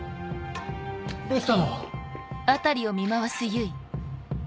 どうしたの？